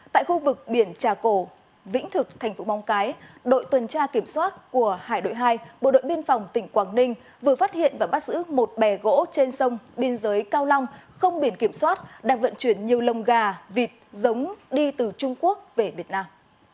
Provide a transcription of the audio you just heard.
tại khu vực biển trà cổ vĩnh thực thành phố mong cái đội tuần tra kiểm soát của hải đội hai bộ đội biên phòng tỉnh quảng ninh vừa phát hiện và bắt giữ một bè gỗ trên sông biên giới cao long không biển kiểm soát đang vận chuyển nhiều lồng gà vịt giống đi từ trung quốc về việt nam